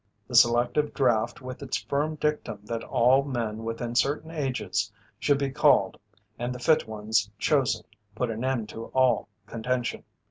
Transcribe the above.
The selective draft with its firm dictum that all men within certain ages should be called and the fit ones chosen, put an end to all contention.